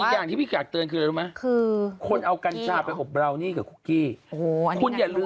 บางทีคือจริงต้องบอกว่า